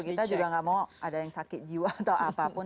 kita juga gak mau ada yang sakit jiwa atau apapun